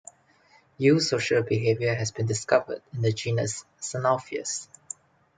Eusocial behavior has been discovered in the genus "Synalpheus".